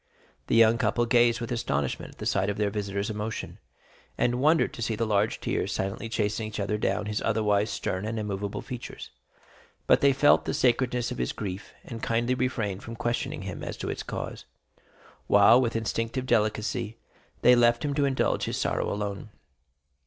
The young couple gazed with astonishment at the sight of their visitor's emotion, and wondered to see the large tears silently chasing each other down his otherwise stern and immovable features; but they felt the sacredness of his grief, and kindly refrained from questioning him as to its cause, while, with instinctive delicacy, they left him to indulge his sorrow alone.